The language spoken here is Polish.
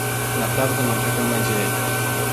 Naprawdę mam taką nadzieję